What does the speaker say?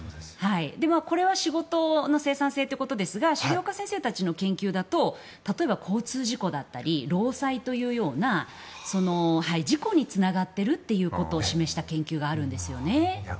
これは仕事の生産性ということですが東京大学の研究だと例えば交通事故だったり労災というような事故につながっていることを示した研究があるんですね。